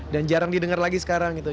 dan jarang didengar lagi sekarang gitu